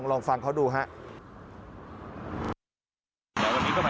ลองฟังเขาดูครับ